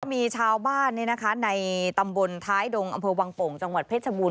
มีชาวบ้านในตำบลท้ายดงอำเภอวังโป่งจังหวัดเพชรบูร